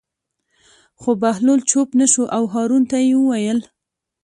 خو بهلول چوپ نه شو او هارون ته یې وویل.